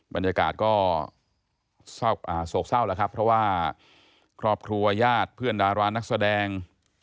บรรยากาศก็โศกเศร้าแล้วครับเพราะว่าครอบครัวญาติเพื่อนดารานักแสดง